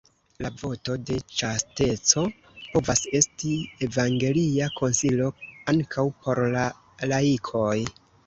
La voto de ĉasteco povas esti evangelia konsilo ankaŭ por la laikoj.